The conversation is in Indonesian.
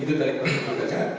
itu dari perintah cara